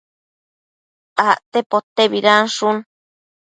acte potebidanshun